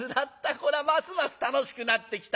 こらますます楽しくなってきた。